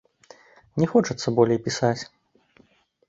Не хочацца болей пісаць.